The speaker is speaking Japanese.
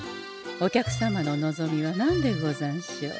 お客様の望みは何でござんしょう？